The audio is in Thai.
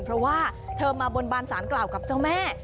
เพราะว่าเธอมาบนบานสารกล่าวกับเจ้าแม่